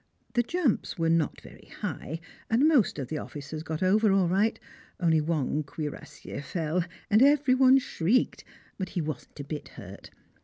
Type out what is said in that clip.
The jumps were not very high, and most of the officers got over all right, only one cuirassier fell, and every one shrieked, but he wasn't a bit hurt.